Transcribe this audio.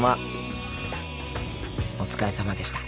お疲れさまでした。